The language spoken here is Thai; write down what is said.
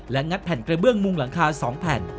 งัดแผ่นกระเบื้องมุงหลังคา๒แผ่น